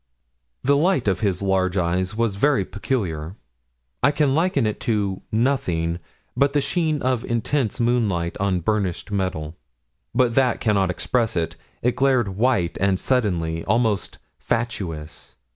The light of his large eyes was very peculiar. I can liken it to nothing but the sheen of intense moonlight on burnished metal. But that cannot express it. It glared white and suddenly almost fatuous.